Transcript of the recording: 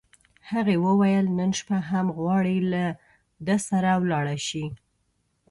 هغې وویل: نن شپه هم غواړې، له ده سره ولاړه شې؟